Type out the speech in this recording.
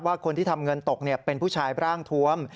คนที่ทำเงินตกเป็นผู้ชายร่างทวม